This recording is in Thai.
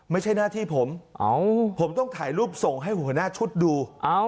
ไม่ใช่หน้าที่ผมผมต้องถ่ายรูปส่งให้หัวหน้าชุดดู